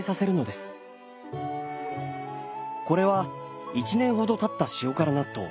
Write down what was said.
これは１年ほどたった塩辛納豆。